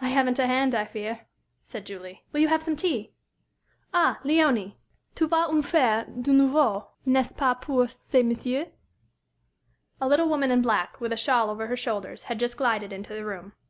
"I haven't a hand, I fear," said Julie. "Will you have some tea? Ah, Léonie, tu vas en faire de nouveau, n'est ce pas, pour ce monsieur?" A little woman in black, with a shawl over her shoulders, had just glided into the room.